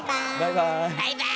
バイバーイ。